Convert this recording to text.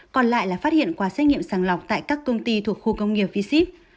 còn lại là phát hiện qua xét nghiệm sàng lọc tại các công ty thuộc khu công nghiệp v ship